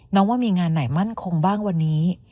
ว่ามีงานไหนมั่นคงบ้างวันนี้